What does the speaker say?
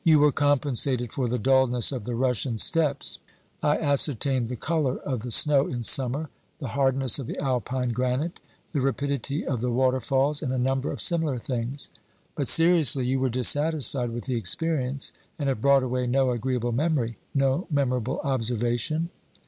" You were compensated for the dulness of the Russian steppes." "I ascertained the colour of the snow in summer, the hardness of the Alpine granite, the rapidity of the water falls, and a number of similar things." " But seriously, you were dissatisfied with the experience, and have brought away no agreeable memory, no memor able observation